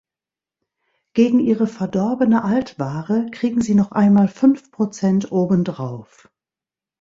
Gegen Ihre verdorbene Altware kriegen Sie noch einmal fünf Prozent obendrauf!